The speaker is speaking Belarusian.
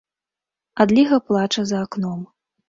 Адліга плача за акном.